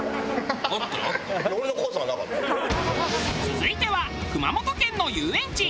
続いては熊本県の遊園地。